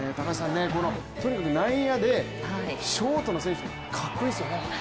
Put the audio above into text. とにかく内野でショートの選手、かっこいいですよね。